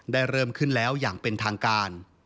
เริ่มขึ้นแล้วอย่างเป็นทางการ